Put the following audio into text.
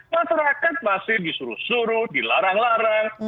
masyarakat masih disuruh suruh dilarang larang